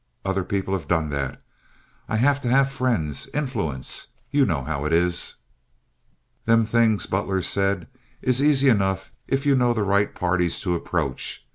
Other people have done that. I have to have friends—influence. You know how it is." "Them things," Butler said, "is easy enough if you know the right parties to approach.